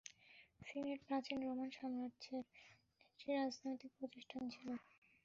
Senate প্রাচীন Roman সম্রাজ্যের একটি রাজনৈতিক প্রতিষ্ঠান ছিল।